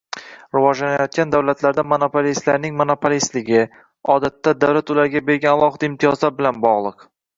Rivojlanayotgan davlatlarda monopolistlarning monopolistligi, odatda, davlat ularga bergan alohida imtiyozlar bilan bog‘liq.